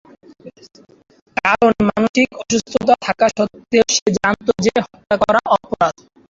কারণ মানসিক অসুস্থতা থাকা সত্ত্বেও সে জানত যে হত্যা করা অপরাধ।